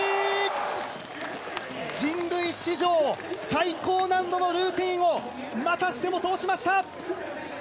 人類史上最高難度のルーティンをまたしても通しました。